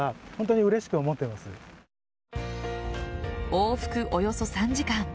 往復およそ３時間。